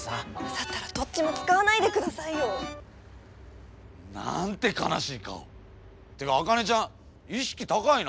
だったらどっちも使わないでくださいよ。なんて悲しい顔！っていうか茜ちゃん意識高いな。